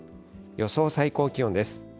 予想最高気温です。